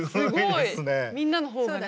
みんなの方がね